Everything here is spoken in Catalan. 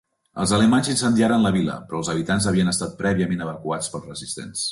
Els alemanys incendiaren la vila, però els habitants havien estat prèviament evacuats pels resistents.